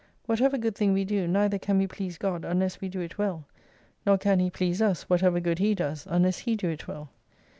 "Whatever good thing we do, neither can we please God, unless we do it well : nor can He please us, what ever good He does, unless He do it well.